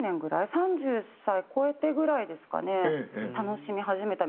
３０歳超えてぐらいですかね。